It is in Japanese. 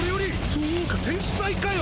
そうか天才かよ。